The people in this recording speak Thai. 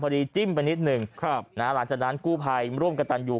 จิ้มไปนิดหนึ่งครับนะฮะหลังจากนั้นกู้ภัยร่วมกับตันอยู่